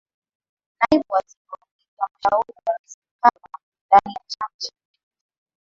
Naibu Waziri wa Ulinzi na Mshauri wa Rais MkapaNdani ya Chama cha mapinduzi